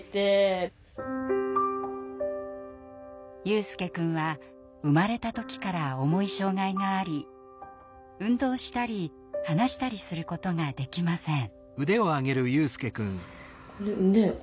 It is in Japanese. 悠翼くんは生まれた時から重い障害があり運動したり話したりすることができません。